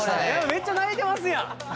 ・めっちゃ泣いてますやん！